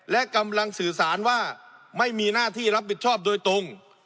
และกำลังสื่อสารว่าไม่มีหน้าที่รับผิดชอบโดยตรง